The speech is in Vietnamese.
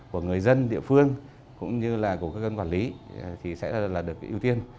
của người dân địa phương cũng như là của các gân quản lý thì sẽ là được ưu tiên